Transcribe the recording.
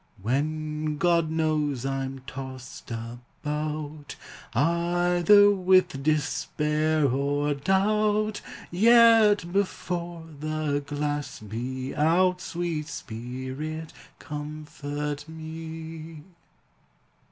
When, God knows, I'm tost about Either with despair or doubt, Yet before the glass be out, Sweet Spirit, comfort me!